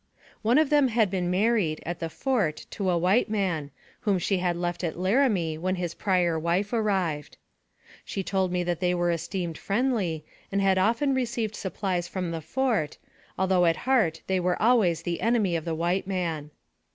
One of them had been married, at the fort, to a white man, whom she had left at Larimie when his prior wife arrived. She told me that they were esteemed friendly, and had often received supplies from the fort, although at heart they were always the enemy of the white man.